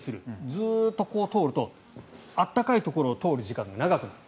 ずっとこう通ると暖かいところを通る時間が長くなる。